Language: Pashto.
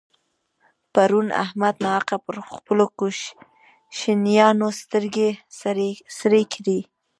پرون احمد ناحقه پر خپلو کوشنيانو سترګې سرې کړې.